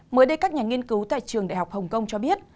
mới đây các nhà nghiên cứu tại trường đại học hồng kông cho biết